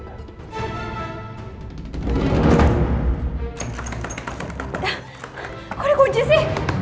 kok dikunci sih